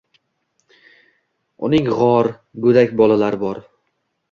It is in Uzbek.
Uning g’or, go’dak bolalari bor.